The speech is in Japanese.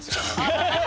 ハハハハ！